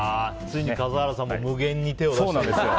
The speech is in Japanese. ついに笠原さんも無限に手を出したんですね。